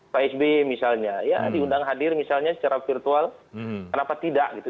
pak sby misalnya ya diundang hadir misalnya secara virtual kenapa tidak gitu